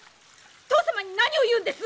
父様に何を言うんです！